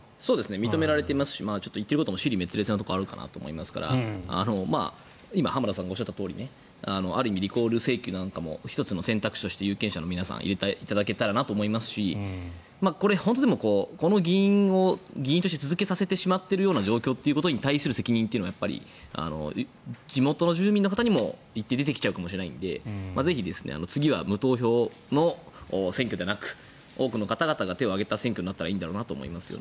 認められていますし言っていることも支離滅裂なところがあると思いますから今、浜田さんがおっしゃったようにある意味リコール請求なんかも１つの選択肢として有権者の皆さんしていただければと思いますしこれ、この議員を議員として続けさせてしまっている状況に対する責任というのは地元の住民の方にも一定出てきちゃうかもしれないのでぜひ次は無投票の選挙ではなく多くの方々が手を上げた選挙になったらいいんだろうなと思います。